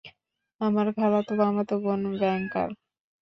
আমার খালাতো-মামাতো বোন ব্যাংকার।